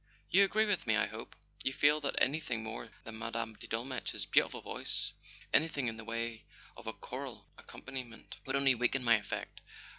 "You agree with me, I hope? You feel that any¬ thing more than Mme. de Dolmetsch's beautiful voice —anything in the way of a choral accompaniment— would only weaken my effect?